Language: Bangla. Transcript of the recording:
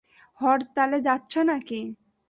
হরতালে যাচ্ছো নাকি?